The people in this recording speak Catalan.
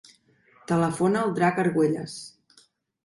Telefona al Drac Arguelles.